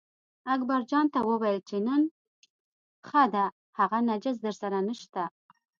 اکبرجان ته یې وویل چې نن ښه ده هغه نجس درسره نشته.